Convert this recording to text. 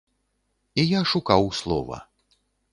І я шукаў слова.